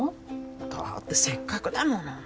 だってせっかくだもの。